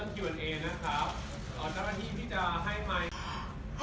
ขอบคุณค่ะ